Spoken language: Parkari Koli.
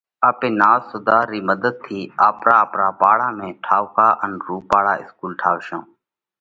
آپي نات سُڌار رِي مڌت ٿِي آپرا آپرا پاڙا ۾ ٺائُوڪا ان رُوپاۯا اِسڪُول ٺاوَشون۔